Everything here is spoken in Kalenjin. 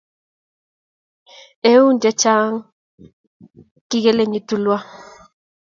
Eun che chang kikelenyei tulwo.